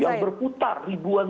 yang berputar ribuan